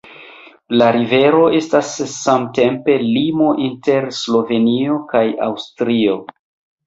La rivero estas samtempe limo inter Slovenio kaj Aŭstrio.